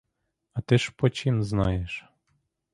А ти ж почім знаєш?